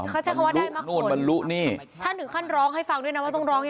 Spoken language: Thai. เขาจะคำว่าได้มากกว่านู้นบรรลุนี่ท่านถึงค่อนข้างร้องให้ฟังด้วยนะ